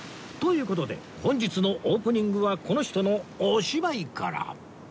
事で本日のオープニングはこの人のお芝居から